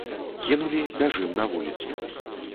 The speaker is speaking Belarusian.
Кінулі, бяжым на вуліцу.